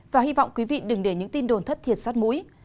và hy vọng quý vị đừng để những tin đồn thất thiệt sát mũi